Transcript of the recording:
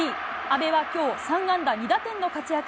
阿部はきょう、３安打２打点の活躍。